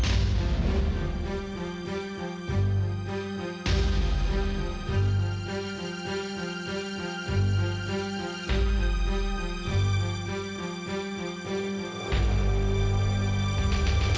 kembali ke pembalasan